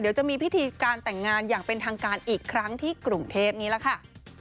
เดี๋ยวจะมีพิธีการแต่งงานอย่างเป็นทางการอีกครั้งที่กรุงเทพนี้ล่ะค่ะ